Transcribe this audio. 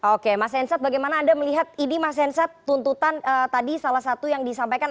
oke mas hensat bagaimana anda melihat ini mas hensat tuntutan tadi salah satu yang disampaikan